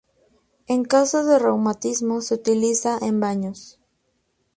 En caso de reumatismo se utiliza en baños.